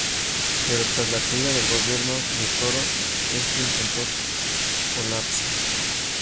Pero tras la caída del gobierno de Toro este intento colapsó.